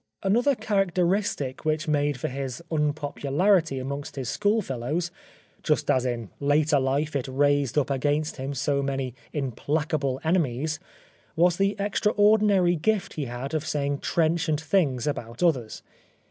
Another characteristic which made for his unpopularity amongst his schoolfellows, just as in later Hfe it raised up against him so many implacable enemies, was the extraordinary gift he had of saying trenchant things about others.